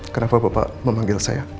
kenapa bapak memanggil saya